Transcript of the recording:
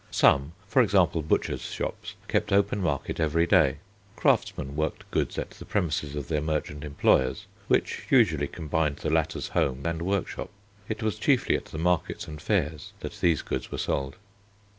Some, for example butchers' shops, kept open market every day. Craftsmen worked goods at the premises of their merchant employers, which usually combined the latters' home and workshop; it was chiefly at the markets and fairs that these goods were sold.